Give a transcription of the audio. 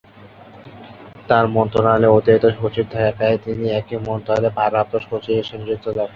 তথ্য মন্ত্রণালয়ের অতিরিক্ত সচিব থাকা কালে তিনি একই মন্ত্রণালয়ের ভারপ্রাপ্ত সচিব হিসেবে নিযুক্তি লাভ করেন।